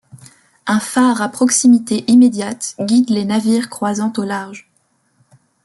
Un phare à proximité immédiate guide les navires croisant au large.